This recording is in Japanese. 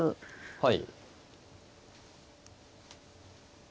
はい。